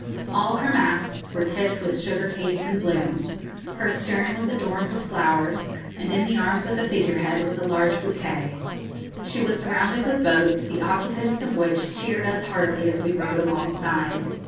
All her masts were tipped with sugar canes in bloom. Her stern was adorned with flowers, and in the arms of the figure head was a large bouquet. She was surrounded with boats, the occupants of which cheered us heartily as we rowed alongside.